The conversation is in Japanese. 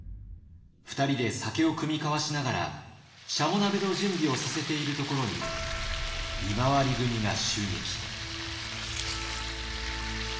２人で酒を酌み交わしながらしゃも鍋の準備をさせているところに見廻組が襲撃。